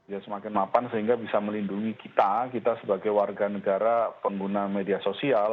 ya semakin mapan sehingga bisa melindungi kita kita sebagai warga negara pengguna media sosial